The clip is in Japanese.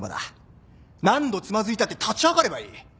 何度つまずいたって立ち上がればいい。